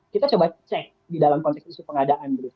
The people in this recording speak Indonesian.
kita coba cek di dalam konteks isu pengadaan dulu